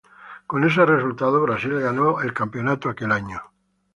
Con ese resultado, Brasil ganó el campeonato aquel año.